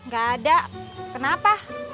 gak ada kenapa